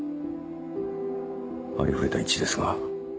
ありふれた一致ですが。